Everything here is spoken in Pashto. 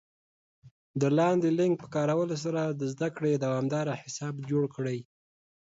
د لاندې لینک په کارولو سره د زده کړې دوامدار حساب جوړ کړئ